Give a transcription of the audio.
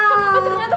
betul nyata pedas